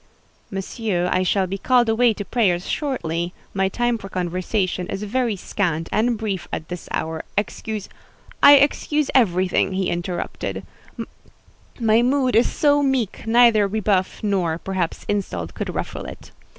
"Monsieur, I shall be called away to prayers shortly; my time for conversation is very scant and brief at this hour—excuse——" "I excuse everything," he interrupted; "my mood is so meek, neither rebuff nor, perhaps, insult could ruffle it.